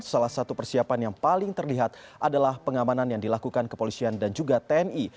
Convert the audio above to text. salah satu persiapan yang paling terlihat adalah pengamanan yang dilakukan kepolisian dan juga tni